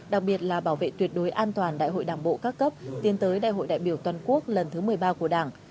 đặc biệt là bảo vệ tuyệt đối an toàn đại hội đảng bộ các cấp tiến tới đại hội đại biểu toàn quốc lần thứ một mươi ba của đảng